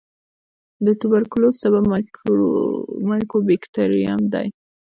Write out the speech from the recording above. د توبرکلوس سبب مایکوبیکټریم دی.